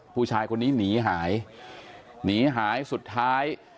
ผู้ชายคนนี้หนีหายหนีหายสุดท้าย